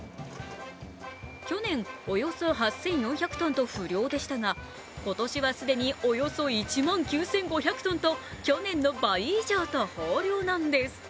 去年、およそ８４００ｔと不漁でしたが今年は既におよそ１万９５００トンと去年の倍以上と豊漁なんです。